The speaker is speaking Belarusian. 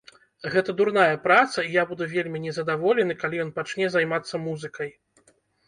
Гэта дурная праца і я буду вельмі незадаволены, калі ён пачне займацца музыкай.